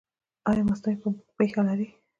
ایا مصنوعي پښه لرئ؟